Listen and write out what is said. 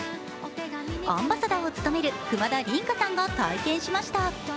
アンバサダーを務める久間田琳加さんが会見しました。